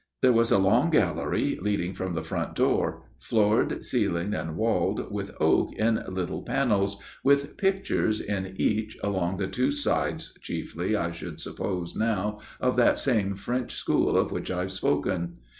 There was a long gallery leading from the front door, floored, ceiled, and walled with oak in little panels, with pictures in each along the two sides, chiefly, I should suppose now, of that same French School of which I have spoken.